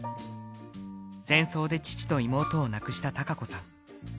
戦争で父と妹を亡くした孝子さん。